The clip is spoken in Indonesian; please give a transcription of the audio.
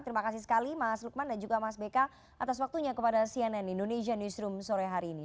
terima kasih sekali mas lukman dan juga mas beka atas waktunya kepada cnn indonesia newsroom sore hari ini